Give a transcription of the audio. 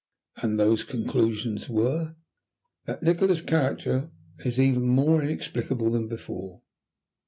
"And those conclusions were?" "That Nikola's character is even more inexplicable than before."